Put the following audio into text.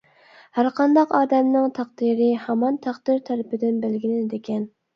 ھەر قانداق ئادەمنىڭ تەقدىرى ھامان تەقدىر تەرىپىدىن بەلگىلىنىدىكەن.